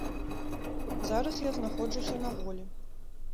Зараз я знаходжуся на волі.